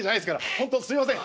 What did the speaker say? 本当すいません。